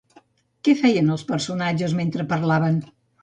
Què feien els personatges mentre parlaven?